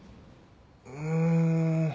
うん。